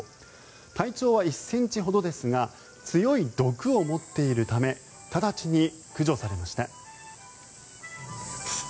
体長は１ｃｍほどですが強い毒を持っているため直ちに駆除されました。